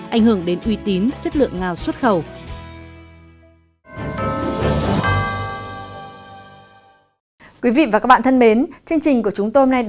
ảnh hưởng đến uy tín chất lượng ngao xuất khẩu